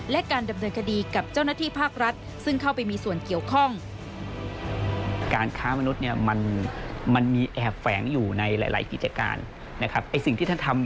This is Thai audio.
และการดำเนินคดีกับเจ้าหน้าที่ภาครัฐซึ่งเข้าไปมีส่วนเกี่ยวข้อง